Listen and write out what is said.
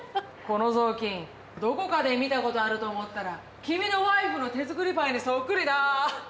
このぞうきんどこかで見たことあると思ったら君のワイフの手作りパイにそっくりだ。